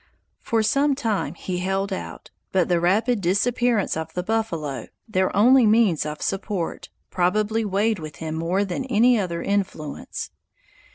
For some time he held out, but the rapid disappearance of the buffalo, their only means of support, probably weighed with him more than any other influence.